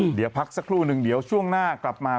เดี๋ยวพักสักครู่หนึ่งเดี๋ยวช่วงหน้ากลับมา